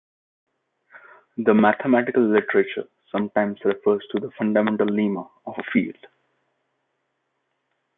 The mathematical literature sometimes refers to the fundamental lemma of a field.